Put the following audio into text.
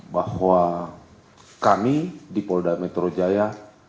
bahwa kami di polda metro jaya